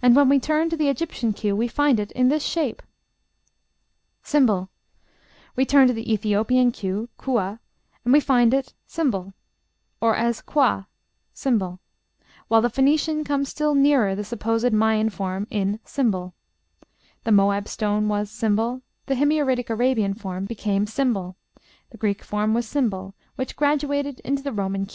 And when we turn to the Egyptian q we find it in this shape, ###; we turn to the Ethiopian q (khua), and we find it ###, as qua, ###; while the Phoenician comes still nearer the supposed Maya form in ###; the Moab stone was ###; the Himyaritic Arabian form became ###; the Greek form was ###, which graduated into the Roman Q.